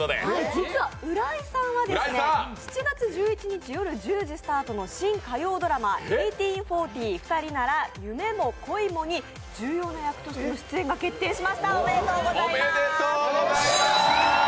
実は浦井さんが７月１１日夜１０時スタートの新火曜ドラマ「１８／４０ふたりなら夢も恋も」に重要な役としてご出演が決定しました。